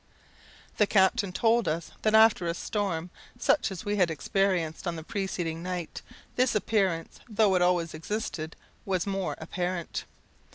The captain told us that after a storm, such as we had experienced on the preceding night, this appearance, though it always existed, was more apparent.